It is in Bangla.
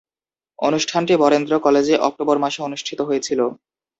অনুষ্ঠানটি বরেন্দ্র কলেজে অক্টোবর মাসে অনুষ্ঠিত হয়েছিলো।